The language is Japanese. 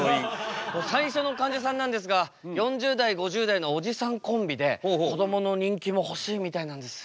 最初のかんじゃさんなんですが４０代５０代のおじさんコンビでこどもの人気も欲しいみたいなんです。